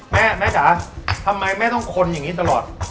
แม่แม่จ๋าทำไมแม่ต้องทนอย่างนี้ตลอด